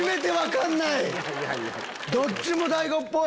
どっちも大悟っぽい。